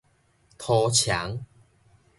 塗戕